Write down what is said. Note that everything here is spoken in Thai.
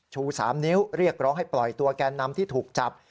ชู๓นิ้วเรียกร้องให้ปล่อยตัวแกนนำที่ถูกจับ